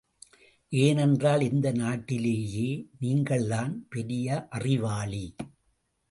ஏனென்றால், இந்த நாட்டிலேயே நீங்கள்தான் பெரிய அறிவாளி.